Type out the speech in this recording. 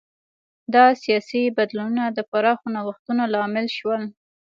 دا سیاسي بدلونونه د پراخو نوښتونو لامل شول.